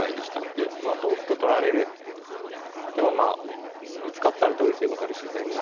でまあ同歩と取られてもまあぶつかったら取るということで自然なんですけど。